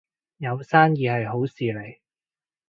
有生意係好事嚟